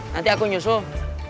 nanti aku nyusul